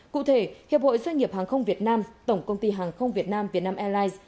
cụ thể hiệp hội doanh nghiệp hàng không việt nam tổng công ty hàng không việt nam vietnam airlines